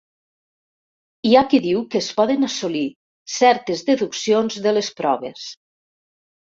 Hi ha qui diu que es poden assolir certes deduccions de les proves.